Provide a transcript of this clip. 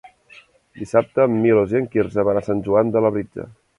Dissabte en Milos i en Quirze van a Sant Joan de Labritja.